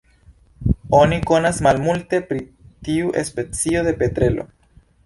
Oni konas malmulte pri tiu specio de petrelo.